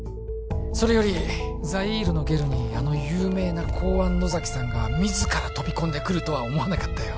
それよりザイールのゲルにあの有名な公安・野崎さんが自ら飛び込んでくるとは思わなかったよ